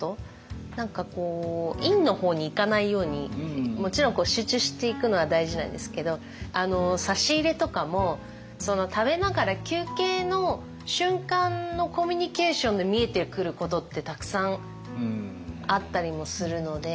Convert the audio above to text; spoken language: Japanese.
何かこう陰の方にいかないようにもちろん集中していくのは大事なんですけど差し入れとかも食べながら休憩の瞬間のコミュニケーションで見えてくることってたくさんあったりもするので。